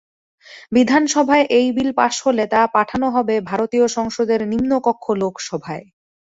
বিধানসভায় এই bill pass হলে তা পাঠানো হবে ভারতীয় সংসদের নিম্নকক্ষ লোকসভায়।